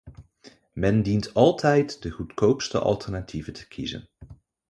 Men dient altijd de goedkoopste alternatieven te kiezen.